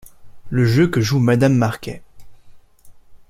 Le jeu que joue Madame Marquet.